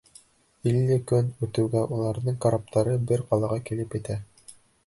Илле көн үтеүгә уларҙың караптары бер ҡалаға килеп етә.